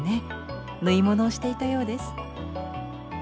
縫い物をしていたようです。